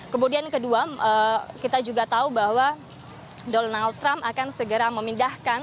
kemudian kedua kita juga tahu bahwa donald trump akan segera memindahkan